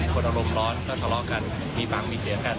คนอารมณ์ร้อนก็สลอกกันมีปังมีเจียร์กัน